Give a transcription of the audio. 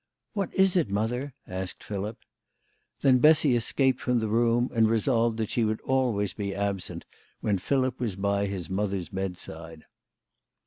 " What is it, mother ?" asked Philip. Then Bessy escaped from the room and resolved that she would always be absent when Philip was by his mother's bedside.